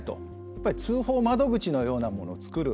やっぱり通報窓口のようなものを作る。